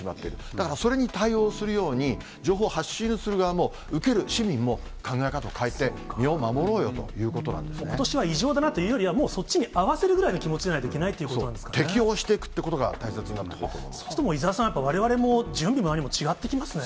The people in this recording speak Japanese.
だから、それに対応するように、情報を発信する側も、受ける市民も考え方を変えて、身を守ろうよことしは異常だなというよりは、もうそっちに合わせるぐらいの気持ちでないといけないということ適応していくということが大いずれにしても、伊沢さん、われわれも準備も何も違ってきますね。